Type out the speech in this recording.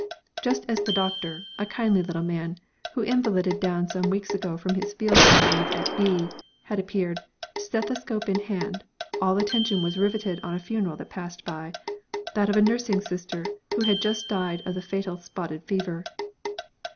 Just as the doctor, a kindly little man, who was invalided down some weeks ago from his field ambulance at B , had appeared, stethoscope in hand, all attention was riveted on a funeral that passed by that of a nursing sister who has just died of the fatal spotted fever.